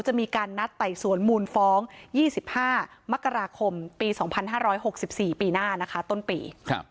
จะมีการนัดไต่สวนมูลฟ้อง๒๕มกราคมปี๒๕๖๔ปีหน้านะคะต้นปี